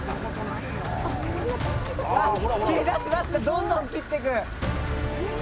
どんどん切ってく！